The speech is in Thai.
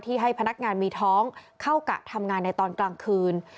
ให้พนักงานมีท้องเข้ากะทำงานในตอนกลางคืน